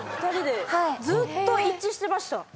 ２人でずーっと一致してました。